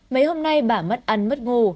mấy hôm nay bà mất ăn mất ngủ